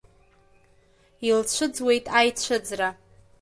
Илцәыӡуеит аицәыӡра…